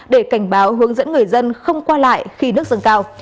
để cảnh báo hướng dẫn người dân không qua lại khi nước dâng cao